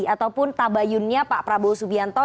ataupun tabayunnya pak prabowo subianto